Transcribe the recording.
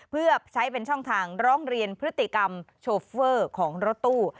เพื่อใช้เป็นช่องทางร้องเรียนพฤติกรรมโชเฟอร์ของรถตู้